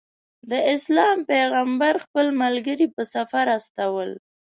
د اسلام پیغمبر خپل ملګري په سفر استول.